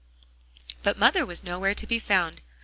But mother was nowhere to be found.